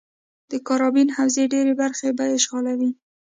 د کارابین حوزې ډېرې برخې به اشغالوي.